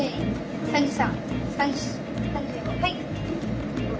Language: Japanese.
はい。